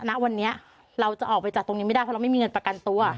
ณวันนี้เราจะออกไปจากตรงนี้ไม่ได้เพราะเราไม่มีเงินประกันตัว